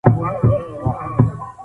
شاه عباس خپل ولیعهد په تېروتنې سره وواژه.